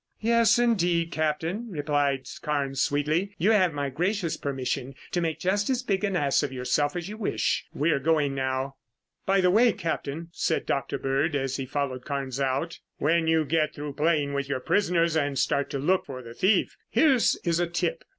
"Yes indeed, Captain," replied Carnes sweetly. "You have my gracious permission to make just as big an ass of yourself as you wish. We're going now." "By the way, Captain," said Dr. Bird as he followed Carnes out. "When you get through playing with your prisoners and start to look for the thief, here is a tip.